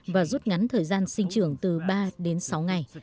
và rút ngắn thời gian sinh trưởng từ ba đến sáu ngày